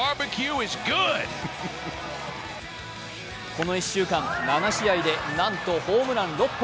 この１週間、７試合でなんとホームラン６本。